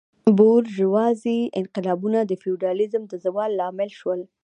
بورژوازي انقلابونه د فیوډالیزم د زوال لامل شول.